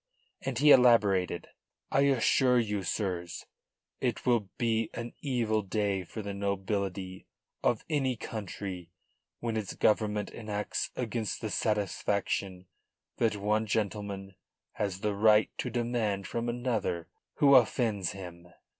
And he elaborated: "I assure you, sirs, it will be an evil day for the nobility of any country when its Government enacts against the satisfaction that one gentleman has the right to demand from another who offends him."